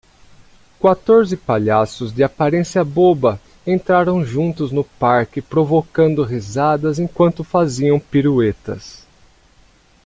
Quatorze palhaços de aparência boba entraram juntos no parque provocando risadas enquanto faziam piruetas.